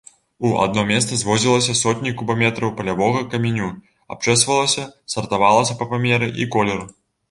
У адно месца звозілася сотні кубаметраў палявога каменю, абчэсвалася, сартавалася па памеры і колеру.